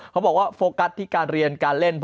เขาบอกว่าโฟกัสที่การเรียนการเล่น